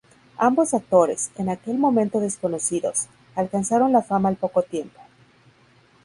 Ambos actores, en aquel momento desconocidos, alcanzaron la fama al poco tiempo.